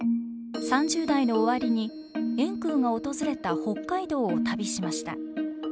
３０代の終わりに円空が訪れた北海道を旅しました。